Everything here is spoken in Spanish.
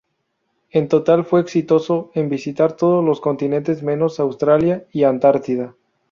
En total, fue exitoso en visitar todos los continentes, menos Australia y Antártica.